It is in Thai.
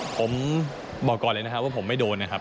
ผมบอกก่อนเลยนะครับว่าผมไม่โดนนะครับ